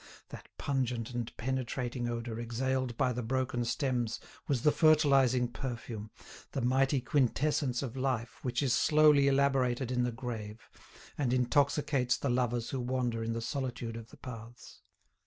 That pungent and penetrating odour exhaled by the broken stems was the fertilising perfume, the mighty quintessence of life which is slowly elaborated in the grave, and intoxicates the lovers who wander in the solitude of the paths.